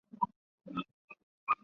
这是一个一步完成的协同反应。